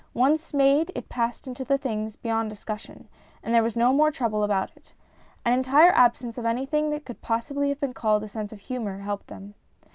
Once made it passed into the things beyond discussion, and there was no more trouble about it. An entire absence of anything that could possibly have been called a sense of humour helped them.